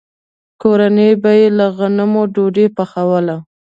کورنۍ به یې له غنمو ډوډۍ پخوله.